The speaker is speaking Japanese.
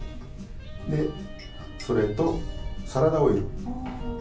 でそれとサラダオイル。